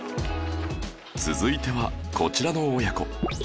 続いてはこちらの親子